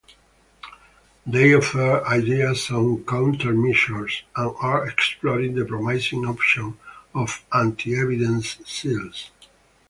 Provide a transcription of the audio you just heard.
They offer ideas on countermeasures, and are exploring the promising option of "anti-evidence" seals.